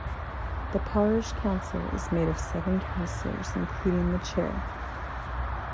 The Parish Council is made of seven councillors including the Chair.